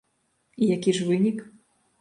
І які ж вынік?